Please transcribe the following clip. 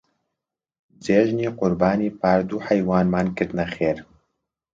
جێژنی قوربانی پار دوو حەیوانمان کردنە خێر.